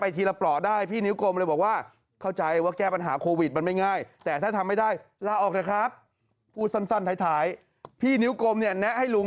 นี้น่ะก็แล้วนี้น่ะอย่างนั้นเน่น